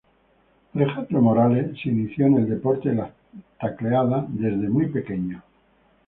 Alejandro Morales se inició en el deporte de las tacleadas desde muy pequeño.